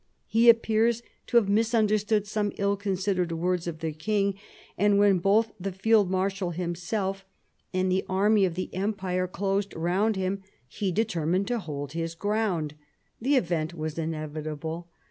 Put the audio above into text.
He appears to have misunderstood some ill considered words of the king, and, when both the field marshal himself and the army of the Empire closed round him, he determined to hold his ground. The event was inevitable.